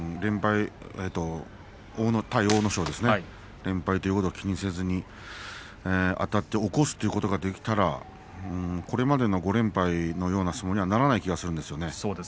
連敗を気にせずにあたって起こすということができたらこれまでの５連敗のような相撲には、ならないような気がします。